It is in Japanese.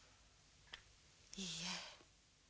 いいえ。